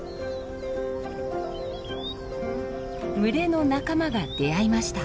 群れの仲間が出会いました。